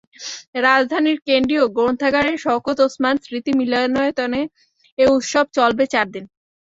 রাজধানীর কেন্দ্রীয় গণগ্রন্থাগারের শওকত ওসমান স্মৃতি মিলনায়তনে এ উৎসব চলবে চার দিন।